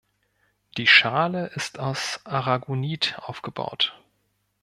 Die Schale ist aus Aragonit aufgebaut.